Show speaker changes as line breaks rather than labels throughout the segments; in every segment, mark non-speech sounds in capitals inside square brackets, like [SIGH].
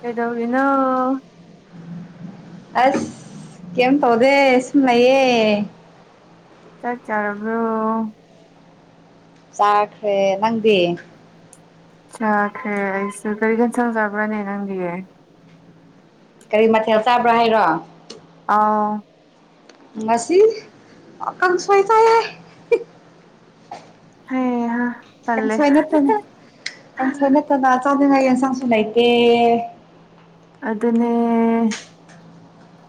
ꯀꯩꯗꯧꯔꯤꯅꯣ
ꯑꯁ ꯀ‌ꯦꯝ ꯇꯧꯗꯦ ꯁꯨꯝ ꯂꯩꯌꯦ
ꯆꯥꯛ ꯆꯥꯔꯕ꯭ꯔꯣ
ꯆꯥꯈ꯭ꯔꯦ ꯅꯪꯗꯤ
ꯆꯈ꯭ꯔꯦ ꯑꯩꯁꯨ ꯀꯔꯤ ꯌ‌ꯦꯟꯁꯥꯡ ꯆꯥꯕ꯭ꯔꯥꯅꯦ ꯅꯪꯗꯤ
ꯀꯔꯤ ꯃꯊꯦꯜ ꯆꯥꯕ꯭ꯔꯥ ꯍꯥꯏꯔꯣ
ꯑꯥꯎ
ꯉꯁꯤ ꯀꯪꯁꯣꯏ ꯆꯥꯏꯌꯦ
ꯍꯩꯍꯥ ꯇꯜꯂꯦ
ꯀꯥꯡꯁꯣꯏ ꯅꯠꯇꯅ ꯀꯥꯡꯁꯣꯏ ꯅꯠꯇꯅ ꯆꯥꯅꯤꯡꯉꯥꯏ ꯌ‌ꯦꯟꯁꯥꯡꯁꯨ ꯂꯩꯇꯦ
ꯑꯗꯨꯅꯦ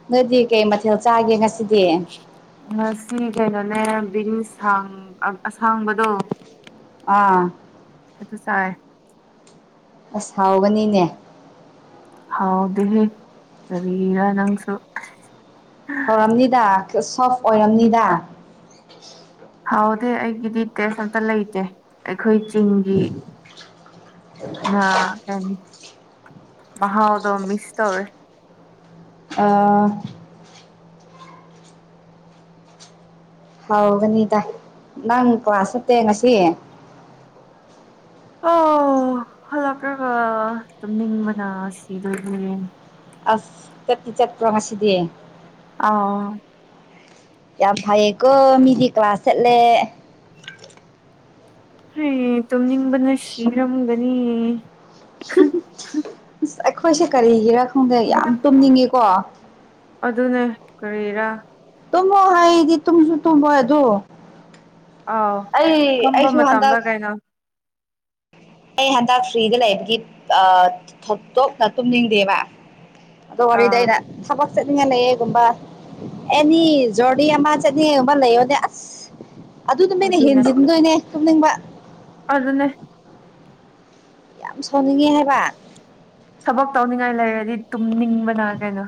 ꯅꯣꯏꯗꯤ ꯀꯩ ꯃꯊꯦꯜ ꯆꯥꯒꯦ ꯉꯁꯤꯗꯤ
ꯉꯁꯤ ꯀꯩꯅꯣꯅꯦ ꯕꯤꯟꯁꯥꯡ ꯑꯁꯥꯡꯕꯗꯣ
ꯑꯥ
ꯑꯗꯨ ꯆꯥꯏ
ꯑꯁ ꯍꯥꯎꯒꯅꯤꯅꯦ
ꯍꯥꯎꯗꯦꯍ‌ꯦ ꯀꯔꯤꯔꯥ ꯅꯪꯁꯨ
ꯍꯧꯔꯝꯅꯤꯗ [UNINTELLIGIBLE] ꯁꯐ ꯑꯣꯏꯔꯝꯅꯤꯗ
ꯍꯥꯎꯗꯦ ꯑꯩꯒꯤꯗꯤ ꯇꯦꯁ ꯑꯝꯇ ꯂꯩꯇꯦ ꯑꯩꯈꯣꯏ ꯆꯤꯡꯒꯤ ꯉꯥ [UNINTELLIGIBLE] ꯃꯍꯥꯎꯗꯣ ꯃꯤꯁ ꯇꯧꯔꯦ
ꯑꯥ ꯍꯥꯎꯕꯅꯤꯗ ꯅꯪ ꯀ꯭ꯂꯥꯁ ꯆꯠꯇꯦ ꯉꯁꯤ
ꯑꯣ ꯍꯜꯂꯛꯑꯒ ꯇꯨꯝꯅꯤꯡꯕꯅ ꯁꯤꯗꯨꯏꯅꯤ
ꯑꯁ ꯆꯠꯇꯤ ꯆꯠꯄ꯭ꯔꯣ ꯉꯁꯤꯗꯤ
ꯑꯥꯎ
ꯌꯥꯝ ꯐꯌꯦꯀꯣ ꯃꯤꯗꯤ ꯀ꯭ꯂꯥꯁ ꯆꯠꯂꯦ
ꯍꯦ ꯇꯨꯝꯅꯤꯡꯕꯅ ꯁꯤꯔꯝꯒꯅꯤ
ꯑꯁ ꯑꯩꯈꯣꯏꯁꯦ ꯀꯔꯤꯒꯤꯔꯥ ꯈꯪꯗꯦ ꯌꯥꯝ ꯇꯨꯝꯅꯤꯡꯉꯦꯀꯣ
ꯑꯗꯨꯅꯦ ꯀꯔꯤꯔꯥ
ꯇꯨꯝꯃꯣ ꯍꯥꯏꯗꯤ ꯇꯨꯝꯁꯨ ꯇꯨꯝꯃꯣꯏ ꯑꯗꯣ
ꯑꯥꯎ
ꯑꯩ
ꯐꯝꯕ
ꯑꯩꯁꯨ
ꯃꯇꯝꯗ
ꯍꯟꯗꯛ
ꯀꯩꯅꯣ
ꯑꯩ ꯍꯟꯗꯛ ꯐ꯭ꯔꯤꯗ ꯂꯩꯕꯒꯤ ꯑꯥ ꯊꯣꯢꯗꯣꯛꯅ ꯇꯨꯝꯅꯤꯡꯗꯦꯕ ꯑꯗꯣ ꯋꯥꯔꯤꯗ
ꯑꯥ
ꯑꯩꯅ ꯊꯕꯛ ꯆꯠꯅꯤꯡꯉꯥꯢ ꯂꯩꯌꯦꯒꯨꯝꯕ ꯑꯦꯅꯤ ꯑꯃꯥ [INAUDIBLE] ꯂꯩꯌꯣꯗꯤ ꯑꯁ ꯑꯗꯨꯗꯨꯅ
ꯑꯗꯨꯅꯦ
ꯍꯦꯟꯖꯤꯟꯗꯣꯏꯅꯦ ꯇꯨꯝꯅꯤꯡꯕ
ꯑꯗꯨꯅꯦ
ꯌꯥꯝ ꯁꯥꯎꯅꯤꯡꯉꯦ ꯍꯥꯏꯕ
ꯊꯕꯛ ꯇꯧꯅꯤꯡꯉꯥꯏ ꯂꯩꯔꯗꯤ ꯇꯨꯝꯅꯤꯡꯕꯅ ꯀꯩꯅꯣ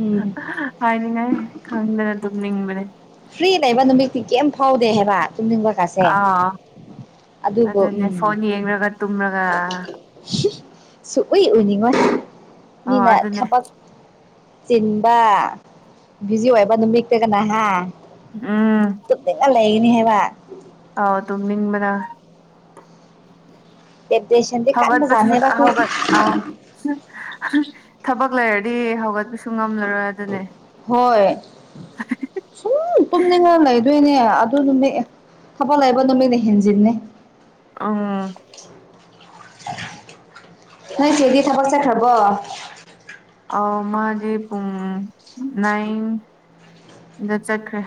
ꯎꯝ
ꯍꯥꯏꯅꯤꯡꯉꯥꯏ ꯈꯪꯗꯅ ꯇꯨꯝꯅꯤꯡꯕꯅꯦ
ꯐ꯭ꯔꯤ ꯂꯩꯕ ꯅꯨꯃꯤꯠꯇꯤ ꯀꯩꯝ ꯐꯥꯎꯗꯦ ꯍꯥꯏꯕ ꯇꯨꯝꯅꯤꯡꯕ
ꯑꯥ ꯑꯗꯨꯅꯦ
ꯎꯝ
ꯐꯣꯟ ꯌꯦꯡꯂꯒ ꯇꯨꯝꯂꯒ
ꯁꯨꯛꯎꯏ ꯎꯏꯅꯤꯡꯉꯣ
ꯑꯣ
ꯃꯤꯅ
ꯑꯗꯨꯅꯦ
ꯊꯕꯛ ꯆꯤꯟꯕ ꯕꯤꯖꯤ ꯑꯣꯏꯕ ꯅꯨꯃꯤꯠꯇꯅ ꯍꯥ
ꯎꯝ
ꯇꯨꯝꯅꯤꯡꯉ ꯂꯩꯒꯅꯤ ꯍꯥꯏꯕ
ꯑꯥꯎ ꯇꯨꯝꯅꯤꯡꯕꯅ
ꯇꯦꯝꯇꯦꯁꯟꯗꯤ
ꯍꯒꯠꯄ [INAUDIBLE]
ꯀꯟꯕꯖꯥꯠꯅꯦꯕ ꯑꯩꯈꯣꯏ
ꯊꯕꯛ ꯂꯩꯔꯗꯤ ꯍꯧꯒꯠꯄꯁꯨ ꯉꯝꯂꯔꯣꯏ ꯑꯗꯨꯅꯦ
ꯍꯣꯏ ꯁꯨꯝ ꯇꯨꯝꯅꯤꯡꯉꯥ ꯂꯩꯗꯣꯏꯅꯦ ꯑꯗꯨ ꯅꯨꯃꯤꯠ ꯊꯕꯛ ꯂꯩꯕ ꯅꯨꯃꯤꯠꯅ ꯍꯦꯟꯖꯤꯟꯅꯦ [INAUDIBLE]
ꯎꯝ
ꯅꯣꯏ ꯆꯦꯗꯤ ꯊꯕꯛ ꯆꯠꯈꯔꯥꯕꯣ
ꯑꯧ ꯃꯥꯗꯤ ꯄꯨꯡ ꯅꯥꯏꯟ ꯗ ꯆꯠꯈ꯭ꯔꯦ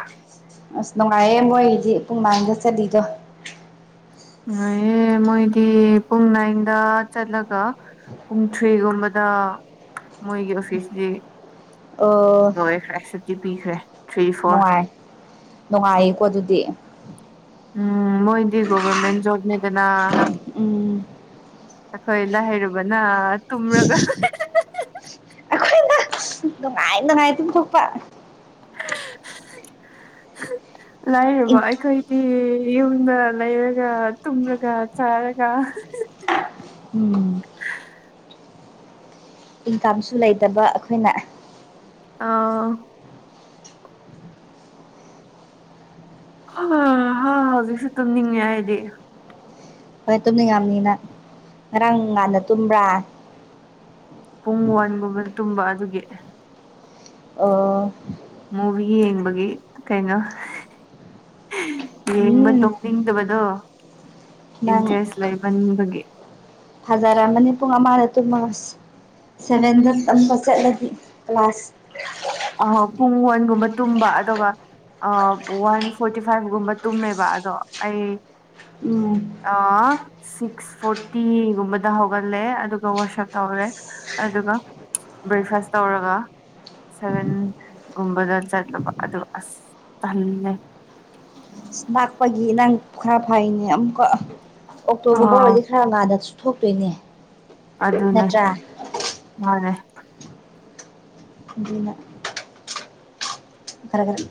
ꯑꯁ ꯅꯨꯡꯉꯥꯏꯔꯌꯦ ꯃꯣꯏꯒꯤꯗꯤ ꯄꯨꯡ ꯅꯥꯏꯟꯗ ꯆꯠꯂꯤꯗꯣ
ꯅꯨꯡꯉꯥꯢꯌꯦ ꯃꯣꯏꯗꯤ ꯄꯨꯡ ꯅꯥꯏꯟꯗ ꯆꯠꯂꯒ ꯄꯨꯡ ꯊ꯭ꯔꯤꯒꯨꯝꯕꯗ ꯃꯣꯏꯒꯤ ꯑꯣꯐꯤꯁꯒꯤ
ꯑꯣ
ꯂꯣꯏꯈ꯭ꯔꯦ ꯁꯨꯇꯤ ꯄꯤꯈ꯭ꯔꯦ ꯊ꯭ꯔꯤ ꯐꯣꯔ
ꯅꯨꯡꯉꯥꯏ ꯅꯨꯡꯉꯥꯏꯌꯦꯀꯣ ꯑꯗꯨꯗꯤ
ꯎꯝ ꯃꯣꯏꯗꯤ ꯒꯣꯚꯔꯃꯦꯟ ꯖꯣꯕꯅꯤꯗꯅ
ꯎꯝ
ꯑꯩꯈꯣꯏ ꯂꯥꯏꯔꯕꯅ ꯍꯩꯔꯨꯕꯅ ꯇꯨꯝꯔꯒ
ꯑꯩꯈꯣꯏꯅ ꯅꯨꯡꯉꯥꯏ ꯅꯨꯡꯉꯥꯏ ꯇꯨꯝꯊꯣꯛꯄ
ꯂꯥꯏꯔꯕ ꯑꯩꯈꯣꯏ ꯗꯤ ꯌꯨꯝꯗ ꯂꯩꯔꯒ ꯇꯨꯝꯔꯒ ꯆꯥꯔꯒ
ꯎꯝ ꯏꯟꯀꯝꯁꯨ ꯂꯩꯇꯕ ꯑꯩꯈꯣꯏꯅ
ꯑꯥꯎ ꯍꯧꯖꯤꯛꯁꯨ ꯇꯨꯝꯅꯤꯡꯉꯦ ꯑꯩꯗꯤ
ꯍꯣꯏ ꯇꯨꯝꯅꯤꯡꯉꯥꯝꯅꯤ ꯅꯪ ꯉꯔꯥꯡ ꯉꯥꯟꯅ ꯇꯨꯝꯕ꯭ꯔꯥ
ꯄꯨꯡ ꯋꯥꯟꯒꯨꯝꯕꯗ ꯇꯨꯝꯕ ꯑꯗꯨꯒꯤ
ꯑꯣ
ꯃꯨꯚꯤ ꯌꯦꯡꯕꯒꯤ ꯀꯩꯅꯣ ꯌꯦꯡꯕ
ꯎꯝ
ꯇꯣꯛꯅꯤꯡꯗꯕꯗꯣ
ꯅꯪ
ꯏꯟꯇꯔꯦꯁ ꯂꯩꯃꯥꯟꯕꯒꯤ
ꯐꯖꯔꯝꯃꯅꯤ ꯄꯨꯡ ꯑꯃꯗ ꯇꯨꯝꯃꯒ ꯁꯦꯚꯦꯟꯗ ꯇꯝꯕ ꯆꯠꯂꯗꯤ ꯀ꯭ꯂꯥꯁ
ꯑꯥꯍꯣ ꯄꯨꯡꯑꯣꯟꯒꯨꯝꯕ ꯇꯨꯝꯕ ꯑꯗꯨꯒ ꯑꯥ ꯋꯥꯟ ꯐꯣꯔꯇꯤ ꯐꯥꯏꯚ ꯒꯨꯝꯕ ꯇꯨꯝꯃꯦꯕ ꯑꯗꯣ ꯑꯩ
ꯎꯝ
ꯑꯥ ꯁꯤꯛꯁ ꯐꯣꯔꯇꯤꯒꯨꯝꯕꯗ ꯍꯧꯒꯠꯂꯦ ꯑꯗꯨꯒ ꯋꯥꯁꯞ ꯇꯧꯔꯦ ꯑꯗꯨꯒ ꯕ꯭ꯔꯦꯛꯐꯥꯁ ꯇꯧꯔꯒ ꯁꯚꯦꯟꯒꯨꯝꯕꯗ ꯆꯠꯂꯕ ꯑꯗꯨ ꯑꯁ ꯇꯜꯂꯦ
ꯅꯥꯛꯄꯒꯤ ꯅꯪ ꯈꯔ ꯐꯩꯅꯦ ꯑꯃꯨꯛꯀ ꯑꯣꯛꯇꯣꯒꯨꯝꯕ
ꯑꯥ
ꯑꯣꯏꯗꯤ ꯈ ꯉꯥꯟꯅꯁꯨ ꯊꯣꯛꯇꯣꯏꯅꯦ
ꯑꯗꯨꯅꯦ
ꯅꯠꯇ꯭ꯔꯥ
ꯃꯥꯅꯦ
ꯑꯗꯨꯅ ꯈꯔ ꯈꯔ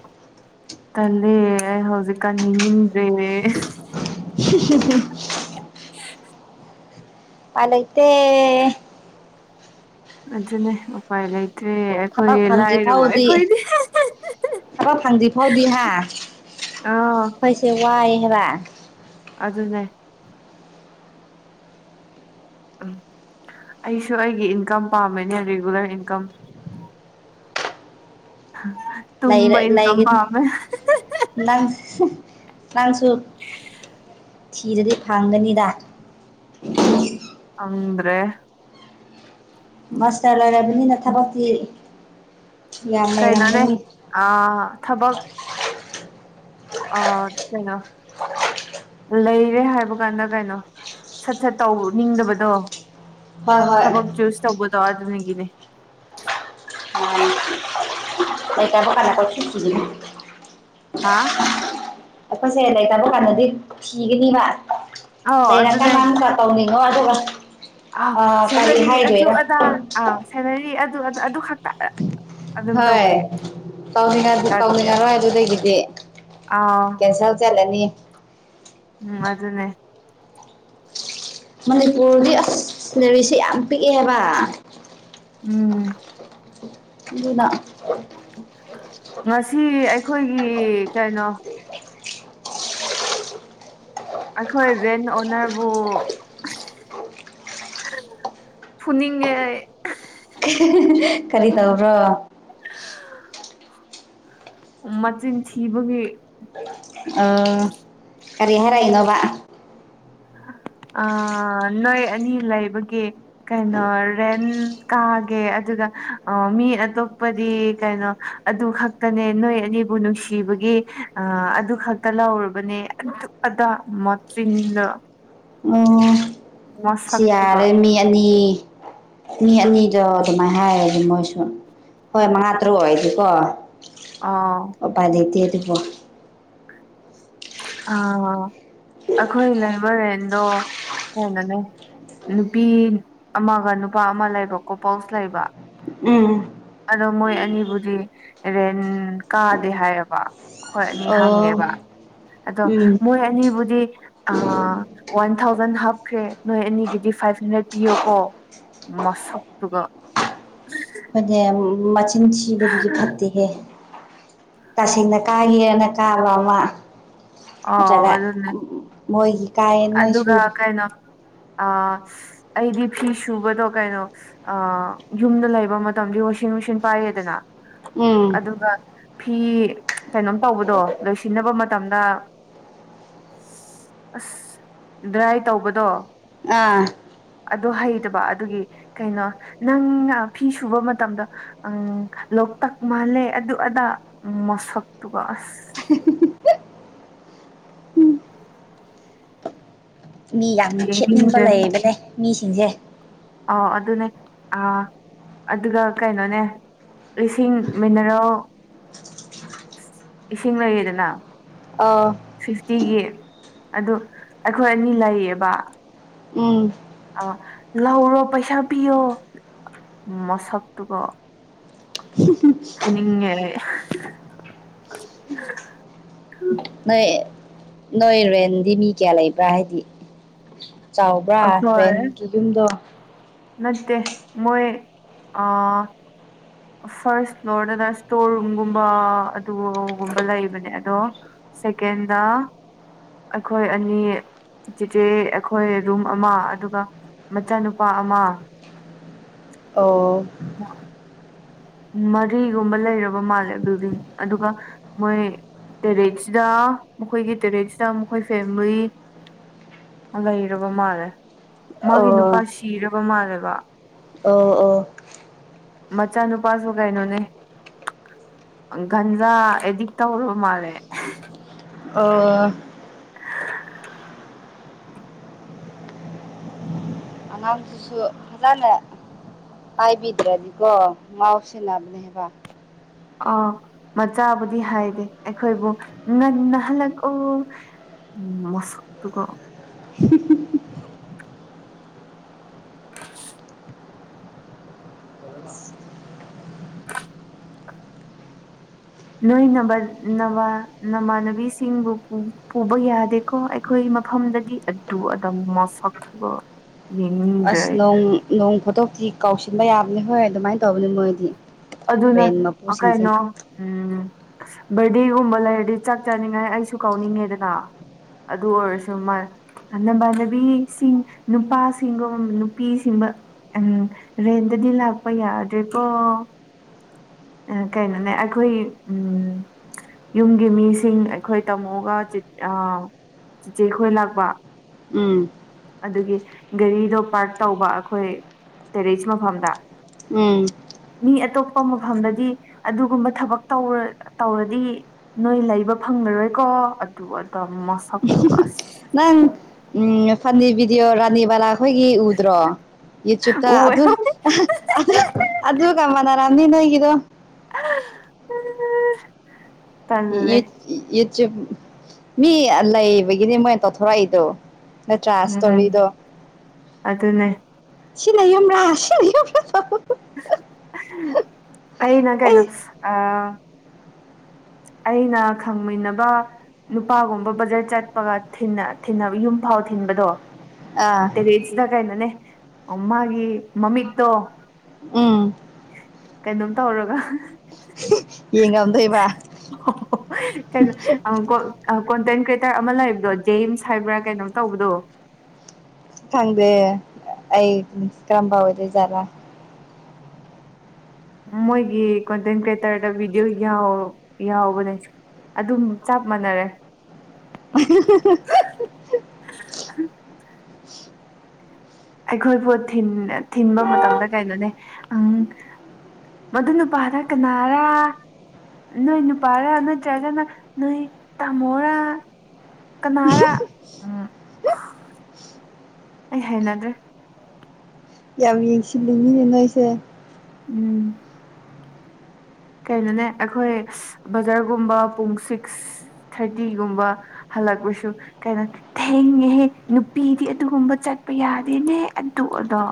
ꯇꯜꯂꯦ ꯑꯩ ꯍꯧꯖꯤꯛꯀꯥꯟ ꯍꯤꯡꯅꯤꯡꯗ꯭ꯔꯦ
[UNINTELLIGIBLE]
[INAUDIBLE]
ꯎꯄꯥꯏ ꯂꯩꯇꯦ
ꯑꯗꯨꯅꯦ ꯎꯄꯥꯏ ꯂꯩꯇ꯭ꯔꯦ
ꯊꯕꯛ
ꯑꯩꯈꯣꯏ
ꯐꯪꯗ꯭ꯔꯤ
ꯂꯥꯏꯔꯕ
ꯐꯥꯎꯗꯤ
ꯑꯩꯈꯣꯏꯗꯤ
ꯊꯕꯛ ꯐꯪꯗ꯭ꯔꯤꯐꯥꯎꯗꯤ ꯍꯥ
ꯑꯥ
ꯑꯩꯈꯣꯏꯁꯦ ꯋꯥꯏ ꯍꯥꯏꯕ
ꯑꯗꯨꯅꯦ ꯎꯝ ꯑꯩꯁꯨ ꯑꯩꯒꯤ ꯏꯟꯀꯝ ꯄꯥꯝꯃꯦꯅꯦ ꯔꯤꯒꯨꯂꯔ ꯏꯟꯀꯝ ꯇꯨꯝꯕꯩ ꯏꯟꯀꯝ
ꯂꯩꯒꯅꯤ
ꯄꯥꯝꯃꯦ
ꯅꯪ ꯅꯪꯁꯨ ꯊꯤꯔꯗꯤ ꯐꯪꯒꯅꯤꯗ
ꯐꯪꯗ꯭ꯔꯦ
ꯃꯥꯁꯇꯔ ꯂꯣꯏꯔꯕꯅꯤꯅ ꯊꯕꯛꯀꯤ
ꯀꯩꯅꯣꯅꯦ ꯑꯥ ꯊꯕꯛ ꯑꯥ ꯀꯩꯅꯣ ꯂꯩꯔꯦ ꯍꯥꯏꯕ ꯀꯥꯟꯗ ꯀꯩꯅꯣ ꯁꯠ ꯁꯠ ꯇꯧ ꯅꯤꯡꯗꯕꯗꯣ
ꯍꯣꯏ ꯍꯣꯏ
ꯊꯕꯛ ꯆꯨꯁ ꯇꯧꯕꯗꯣ ꯑꯗꯨ ꯅꯪꯒꯤꯅꯦ
[UNINTELLIGIBLE]
ꯍꯥꯥ
ꯑꯩꯈꯣꯏꯁꯦ ꯂꯩꯇꯕ ꯀꯥꯟꯗꯗꯤ ꯊꯤꯒꯅꯤꯕ
ꯑꯧ
ꯂꯩꯔ
ꯑꯗꯨꯅꯦ
ꯀꯥꯟꯗ ꯑꯝꯇ ꯇꯧꯅꯤꯡꯉꯣꯏ ꯑꯗꯨꯒ ꯑꯥ ꯀꯔꯤ ꯍꯥꯏꯗꯣꯏꯔꯥ
ꯑꯗꯥ ꯑꯥ ꯁꯦꯂꯔꯤ ꯑꯗꯨ ꯑꯗꯨ ꯑꯗꯨ ꯈꯛ
ꯍꯣꯏ ꯇꯧꯅꯤꯡꯉꯗꯤ
ꯇꯜꯂꯦꯕ
ꯇꯥꯎꯅꯤꯡꯉꯔꯣꯏ ꯑꯗꯨꯗꯒꯤꯗꯤ
ꯑꯥꯎ
ꯀꯦꯟꯁꯦꯜ ꯆꯠꯂꯅꯤ
ꯎꯝ ꯑꯗꯨꯅꯦ
ꯃꯅꯤꯄꯨꯔꯗꯤ ꯑꯁ ꯁꯦꯂꯔꯤꯁꯦ ꯌꯥꯝ ꯄꯤꯛꯑꯦ ꯍꯥꯏꯕ
ꯎꯝ
ꯑꯗꯨꯅ
ꯉꯁꯤ ꯑꯩꯈꯣꯏꯒꯤ ꯀꯩꯅꯣ ꯑꯩꯈꯣꯏ ꯔꯦꯟ ꯑꯣꯅꯔꯕꯨ ꯐꯨꯅꯤꯡꯉꯦ ꯑꯩ
ꯀꯔꯤ ꯇꯧꯕ꯭ꯔꯣ
ꯃꯆꯤꯟ ꯊꯤꯕꯒꯤ
ꯑꯣ ꯀꯔꯤ ꯍꯥꯏꯔꯛꯏꯅꯣꯕ
ꯑꯥ ꯅꯣꯏ ꯑꯅꯤ ꯂꯩꯕꯒꯤ ꯀꯩꯅꯣ ꯔꯦꯟ ꯀꯥꯒꯦ ꯑꯗꯨꯒ ꯑꯥ ꯃꯤ ꯑꯇꯣꯞꯄꯗꯤ ꯀꯩꯅꯣ ꯑꯗꯨ ꯈꯛꯇꯅꯦ ꯅꯣꯏ ꯑꯅꯤꯕꯨ ꯅꯨꯡꯁꯤꯕꯒꯤ ꯑ ꯑꯗꯨ ꯈꯛꯇ ꯂꯧꯔꯕꯅꯦ ꯑꯗꯥ ꯃꯆꯤꯟꯅ
ꯑꫭ ꯁꯤ
ꯃꯁꯛꯇꯨꯒ
ꯌꯥꯔꯦ ꯃꯤ ꯑꯅꯤ ꯃꯤ ꯑꯅꯤꯗꯣ ꯑꯗꯨꯃꯥꯏꯅ ꯍꯥꯏꯔꯗꯤ ꯃꯣꯏꯁꯨ ꯍꯣꯏ ꯃꯉꯥ ꯇꯔꯨꯛ ꯑꯣꯏꯗꯤꯀꯣ
ꯑꯥ
ꯑꯣꯄꯥꯥꯏ ꯂꯩꯇꯦ ꯑꯗꯨꯕꯣ
ꯑꯥ ꯑꯩꯈꯣꯏ ꯂꯩꯕ ꯔꯦꯟꯗꯣ ꯍꯣꯡꯉꯥꯅꯦ ꯅꯨꯄꯤ ꯑꯃꯒ ꯅꯨꯄꯥ ꯑꯃ ꯂꯩꯕ ꯀꯣꯄꯜꯁ ꯂꯩꯕ
ꯎꯝ
ꯑꯗꯣ ꯃꯣꯏ ꯑꯅꯤꯕꯨꯗꯤ ꯔꯦꯟ ꯀꯥꯗꯦ ꯍꯥꯏꯔꯕ ꯍꯈꯣꯏ ꯑꯅꯤ
ꯑꯣ
ꯍꯪꯉꯦꯕ ꯑꯗꯣ
ꯎꯝ
ꯃꯣꯏ ꯑꯅꯤꯕꯨꯗꯤ ꯑ ꯋꯥꯟ ꯊꯥꯎꯖꯟ ꯍꯥꯞꯈ꯭ꯔꯦ ꯅꯣꯏ ꯑꯅꯤꯒꯤꯗꯤ ꯐꯥꯏꯐ ꯍꯟꯗ꯭ꯔꯦꯠ ꯄꯤꯌꯣ ꯀꯣ ꯃꯥꯁꯛꯇꯨꯒ
[UNINTELLIGIBLE] ꯃꯆꯤꯟ ꯊꯤꯕꯗꯨꯗꯤ ꯐꯠꯇꯦꯍꯦ ꯇꯁꯦꯡꯅ ꯀꯥꯒꯦꯅ ꯀꯥꯕ ꯑꯃ
ꯑ
ꯅꯠꯇ꯭ꯔꯒ
ꯑꯗꯨꯅꯦ
ꯃꯣꯏꯒꯤ ꯀꯥꯏ
ꯑꯗꯨꯒ ꯀꯩꯅꯣ ꯑ ꯑꯩꯗꯤ ꯐꯤ ꯁꯨꯕꯗꯣ ꯀꯩꯅꯣ ꯑ ꯌꯨꯝꯗ ꯂꯩꯕ ꯃꯇꯝꯗꯤ ꯋꯥꯁꯤꯡ ꯃꯦꯁꯤꯟ ꯄꯥꯏꯌꯦꯗꯅ
ꯎꯝ
ꯑꯗꯨꯒ ꯐꯤ ꯀꯩꯅꯣꯝ ꯇꯧꯕꯗꯣ ꯂꯣꯏꯁꯤꯟꯅꯕ ꯃꯇꯝꯗ ꯑꯁ ꯗ꯭ꯔꯥꯏ ꯇꯧꯕꯗꯣ
ꯑꯥ
ꯑꯗꯣ ꯍꯩꯇꯕ ꯑꯗꯨꯒꯤ ꯀꯩꯅꯣ ꯅꯪ ꯐꯤ ꯁꯨꯕ ꯃꯇꯝꯗ ꯎ ꯂꯣꯛꯇꯥꯛ ꯃꯥꯜꯂꯦ ꯑꯗꯨ ꯑꯗꯥ ꯃꯥꯁꯛꯇꯨꯒ ꯑꯁ
ꯃꯤ ꯌꯥꯝꯅ ꯈꯦꯠꯅꯤꯡꯕ
ꯌꯦꯡꯅꯤꯡꯗ꯭ꯔꯦ
ꯂꯩꯌꯦꯕꯅꯦ ꯃꯤꯁꯤꯡꯁꯦ
ꯑꯣ ꯑꯗꯨꯅꯦ ꯑ ꯑꯗꯨꯒ ꯀꯩꯅꯣꯅꯦ ꯏꯁꯤꯡ ꯃꯤꯅꯔꯦꯜ ꯏꯁꯤꯡ ꯂꯩꯌꯦꯗꯅ
ꯑꯥ
ꯐꯤꯐꯇꯤꯒꯤ ꯑꯗꯨ ꯑꯩꯈꯣꯏ ꯑꯅꯤ ꯂꯩꯌꯦꯕ
ꯎꯝ
ꯑ ꯂꯧꯔꯣ ꯄꯩꯁꯥ ꯄꯤꯌꯣ ꯃꯁꯛꯇꯨꯒ
[UNINTELLIGIBLE]
ꯐꯨꯅꯤꯡꯉꯦ ꯑꯩ
ꯅꯣꯏ ꯅꯣꯏꯔꯦꯟꯗꯤ ꯃꯤ ꯀꯌꯥ ꯂꯩꯕ꯭ꯔꯥ ꯍꯥꯏꯗꯤ ꯆꯥꯎꯕ꯭ꯔꯥ
ꯑꯩꯈꯣꯏ
ꯔꯦꯟꯒꯤ ꯌꯨꯝꯗꯣ
ꯅꯠꯇꯦ ꯃꯣꯏ ꯑ ꯐꯥꯔꯁ ꯐ꯭ꯂꯣꯔꯗꯅ ꯏꯁꯇꯣꯔ ꯔꯨꯝꯒꯨꯝꯕ ꯑꯗꯨꯒꯨꯝꯕ ꯂꯩꯕꯅꯦ ꯑꯗꯣ ꯁꯦꯀꯦꯟꯗ ꯑꯩꯈꯣꯏ ꯑꯅꯤ ꯆꯤꯆꯦ ꯑꯩꯈꯣꯏ ꯔꯨꯝ ꯑꯃ ꯑꯗꯨꯒ ꯃꯆꯥꯅꯨꯄꯥ ꯑꯃ
ꯑꯣ
ꯃꯔꯤꯒꯨꯝꯕ ꯂꯩꯔꯕ ꯃꯥꯜꯂꯦ ꯕꯤꯜꯗꯤꯡ ꯑꯗꯨꯒ ꯃꯣꯏ ꯇꯦꯔꯦꯠꯁꯤꯗ ꯃꯈꯣꯏꯒꯤ ꯇꯦꯔꯦꯠꯁꯤꯗ ꯃꯈꯣꯏ ꯐꯦꯃꯤꯂꯤ ꯂꯩꯔꯕ ꯃꯥꯜꯂꯦ ꯃꯥꯒꯤ ꯅꯨꯄꯥ
ꯑꯣ
ꯁꯤꯔꯕ ꯃꯥꯜꯂꯦꯕ
ꯑꯣ ꯑꯣ
ꯃꯆꯥ ꯅꯨ ꯅꯨꯄꯥꯁꯨ ꯀꯩꯅꯣꯅꯦ ꯒꯟꯖꯥ ꯑꯦꯗꯤꯛ ꯇꯧꯔꯕ ꯃꯥꯜꯂꯦ
ꯑꯣ ꯑꯉꯥꯡꯁꯤꯁꯨ ꯐꯖꯅꯦ ꯍꯥꯏꯕꯤꯗ꯭ꯔꯗꯤꯀꯣ ꯉꯥꯎꯁꯤꯟꯅꯕꯥꯅꯦ ꯍꯥꯏꯕ
ꯑꯥꯎ ꯃꯆꯥꯕꯨꯗꯤ ꯍꯥꯏꯗꯦ ꯑꯩꯈꯣꯏꯕꯨ ꯉꯟꯅ ꯍꯜꯂꯛꯎ ꯎꯝ ꯃꯁꯛꯇꯨꯒ
[UNINTELLIGIBLE]
[INAUDIBLE] ꯅꯣꯏ [UNINTELLIGIBLE] ꯅꯃꯥꯟꯅꯕꯤꯁꯤꯡꯕꯨ ꯄꯨꯕ ꯌꯥꯗꯦꯀꯣ ꯑꯩꯈꯣꯏ ꯃꯐꯝꯗꯗꯤ ꯑꯗꯨ ꯑꯗꯥ ꯃꯁꯛꯇꯨꯒ ꯌꯦꯡꯅꯤꯡꯗ꯭ꯔꯦ
ꯑꯁ
ꯑꯩ
ꯅꯣꯡ ꯅꯣꯡ ꯐꯥꯇꯣꯛꯇꯤ ꯀꯥꯎꯁꯤꯟꯕ ꯌꯥꯕꯅꯦ ꯍꯣꯏ ꯑꯗꯨꯃꯥꯏꯅ ꯇꯧꯕꯅꯤ ꯃꯣꯏꯗꯤ
ꯑꯗꯨꯅꯦ
ꯔꯦꯟ
ꯑ
ꯃꯄꯨꯁꯤꯡꯁꯦ
ꯀꯩꯅꯣ ꯎꯝ ꯕꯔꯗꯦꯒꯨꯝꯕ ꯂꯩꯔꯗꯤ ꯆꯥꯛ ꯆꯥꯅꯤꯡꯉꯥꯏ ꯑꯩꯁꯨ ꯀꯧꯅꯤꯡꯉꯦꯗꯅ꯫ ꯑꯗꯨ ꯑꯣꯏꯔꯁꯨ ꯃꯥꯏ ꯑ ꯅꯃꯅꯕꯤꯁꯤꯡ ꯅꯨꯄꯥꯁꯤꯡꯒꯨꯝ ꯅꯨꯄꯤꯁꯤꯡꯕ ꯎꯝ ꯔꯦꯟꯗꯗꯤ ꯂꯥꯛꯄ ꯌꯥꯗ꯭ꯔꯦꯀꯣ ꯑ ꯀꯩꯅꯣꯅꯦ ꯑꯩꯈꯣꯏ ꯎꯝ ꯌꯨꯝꯒꯤ ꯃꯤꯁꯤꯡ ꯑꯩꯈꯣꯏ ꯇꯥꯃꯣꯒ [UNINTELLIGIBLE] ꯆꯤꯆꯦ ꯈꯣꯏ ꯂꯥꯛꯄ
ꯎꯝ
ꯑꯗꯨꯒꯤ ꯒꯥꯔꯤꯗꯣ ꯄꯥꯔꯛ ꯇꯧꯕ ꯑꯩꯈꯣꯏ ꯇꯦꯔꯦꯁ ꯃꯐꯝꯗ
ꯎꯝ
ꯃꯤ ꯑꯇꯣꯞꯄ ꯃꯐꯝꯗꯗꯤ ꯑꯗꯨꯒꯨꯝꯕ ꯊꯕꯛ ꯇꯧꯔ ꯇꯧꯔꯗꯤ ꯅꯣꯏ ꯂꯩꯕ ꯐꯪꯂꯉꯔꯣꯏꯀꯣ ꯑꯗꯨ ꯑꯗ ꯃꯁꯛꯇꯨꯒ ꯑꯁ
ꯅꯪ ꯎꯝ ꯐꯥꯟꯅꯤ ꯚꯤꯗꯤꯑꯣ ꯔꯥꯅꯤꯕꯂꯥ ꯑꯩꯈꯣꯏꯒꯤ ꯎꯗ꯭ꯔꯣ ꯌꯨꯇ꯭ꯌꯨꯕꯇ
ꯎꯋꯦ
ꯑꯗꯨ [UNINTELLIGIBLE] ꯑꯗꯨꯒ ꯃꯅꯥꯔꯝꯅꯤ ꯅꯣꯏꯒꯤꯗꯣ
[INAUDIBLE] ꯇꯜꯂꯦ
[UNINTELLIGIBLE] ꯃꯤ ꯂꯩꯕꯒꯤꯅꯤ ꯃꯣꯏꯅ ꯇꯧꯊꯣꯔꯛꯏꯗꯣ ꯅꯇ꯭ꯔꯥꯥ
ꯎꯝ
ꯏꯁ꯭ꯇꯣꯔꯤꯗꯣ
ꯑꯗꯨꯅꯦ
ꯁꯤ ꯅꯌꯨꯝꯔ ꯁꯤ ꯅꯌꯨꯝꯔ ꯇꯧꯕꯗꯨ [UNINTELLIGIBLE]
ꯑꯩꯅ ꯀꯩꯅꯣ
ꯑꯩ
ꯑ ꯑꯩꯅ ꯈꯪꯃꯤꯟꯅꯕ ꯅꯨꯄꯥꯒꯨꯝꯕ ꯕꯖꯥꯠ ꯆꯠꯄꯒ ꯊꯤꯟ ꯊꯤꯟꯅ ꯌꯨꯝ ꯐꯥꯎ ꯊꯤꯟꯕꯗꫭ
ꯑꯥ
ꯇꯦꯔꯦꯁꯇ ꯀꯩꯅꯣꯅꯦ ꯃꯥꯒꯤ ꯃꯃꯤꯛꯇꯣ
ꯎꯝ
ꯀꯩꯅꯣꯝ ꯇꯧꯔꯒ [UNINTELLIGIBLE]
ꯌꯦꯡꯉꯝꯗꯣꯏꯕ
[UNINTELLIGIBLE] ꯀꯩꯅꯣ ꯑ ꯀꫭ ꯀꯣꯟꯇꯦꯟ ꯀ꯭ꯔꯤꯌꯦꯇꯔ ꯑꯃ ꯂꯩꯕꯗꯣ ꯖꯦꯝꯁ ꯍꯥꯏꯕ꯭ꯔꯥ ꯀꯩꯅꯣꯝ ꯇꯧꯕꯗꯣ
ꯈꯪꯗꯦ ꯑꯩ ꯀ꯭ꯔꯝꯕ ꯑꫭꯏꯗꫭꯖꯥꯔ
ꯃꯣꯏꯒꯤ ꯀꯣꯟꯇꯦꯟ ꯀ꯭ꯔꯤꯌꯦꯇꯔꯗ ꯚꯤꯗꯤꯑꯣ ꯌꯥꯎ ꯌꯥꯎꯕꯅꯦ ꯑꯗꯨꯝ ꯆꯞ ꯃꯥꯟꯅꯔꯦ
[UNINTELLIGIBLE]
ꯑꯩꯈꯣꯏ ꯕꯨ ꯊꯤꯟ ꯊꯤꯟꯕ ꯃꯇꯝꯗ ꯀꯩꯅꯣꯅꯦ ꯑꯡ ꯃꯗꯨ ꯅꯨꯄꯥꯥꯔ ꯀꯅꯥꯔ ꯅꯣꯏ ꯅꯨꯄꯥꯔꯥ ꯅꯠꯇ꯭ꯔꯒꯅ ꯅꯣꯏ ꯇꯥꯃꯣꯔꯥ ꯀꯅꯥꯥꯔ ꯎꯝ ꯑꯩ ꯍꯩꯅꯗ꯭ꯔꯦ
ꯌꯥꯝ ꯌꯦꯡꯁꯤꯜꯂꯤꯅꯤꯅꯦ ꯅꯣꯏꯁꯦ
ꯎꯝ ꯀꯩꯅꯣꯅꯦ ꯑꯩꯈꯣꯏ ꯕ꯭ꯔꯗꯔꯒꯨꯝꯕ ꯄꯨꯡ ꯁꯤꯛꯁ ꯊꯥꯔꯇꯤꯒꯨꯝꯕ ꯍꯜꯂꯒꯄꯁꯨ ꯀꯩꯅꯣ ꯊꯦꯡꯉꯦꯍꯦ ꯅꯨꯄꯤꯗꯤ ꯑꯗꯨꯒꯨꯝꯕ ꯆꯠꯄ ꯌꯥꯗꯦꯅꯦ ꯑꯗꯨ ꯑꯗꯥ